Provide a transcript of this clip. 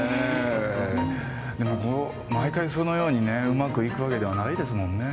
でも毎回そのようにねうまくいくわけではないですもんね。